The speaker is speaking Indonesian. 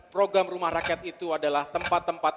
program rumah rakyat itu adalah tempat tempat